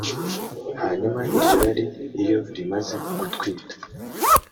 hanyuma iryo rari iyo rimaze gutwita